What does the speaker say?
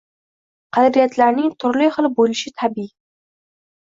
Qadriyatlarning turli xil bo’lishi tabiiy